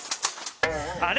「あれ？